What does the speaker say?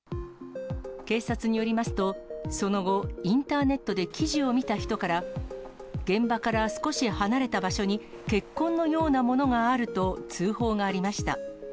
警察によりますと、その後、インターネットで記事を見た人から、現場から少し離れた場所に、血痕のようなものがあると通報がありました。